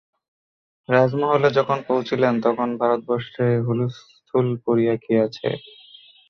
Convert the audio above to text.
রাজমহলে যখন পৌঁছিলেন, তখন ভারতবর্ষে হুলসথূল পড়িয়া গিয়াছে।